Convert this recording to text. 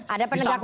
ada penegak hukum